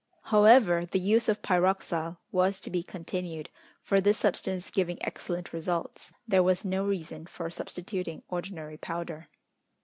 However, the use of pyroxyle was to be continued, for this substance giving excellent results, there was no reason for substituting ordinary powder.